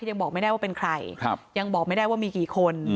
ยังบอกไม่ได้ว่าเป็นใครยังบอกไม่ได้ว่ามีกี่คน